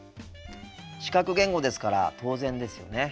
視覚言語ですから当然ですよね。